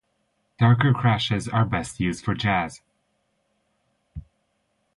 Darker crashes are best used for jazz.